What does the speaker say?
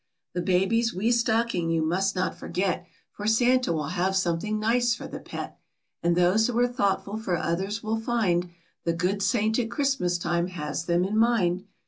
The baby's wee stocking you must not forget, For Santa will have something nice for the pet, And those who are thoughtful for others will find The good saint at Christmas time has them in mind.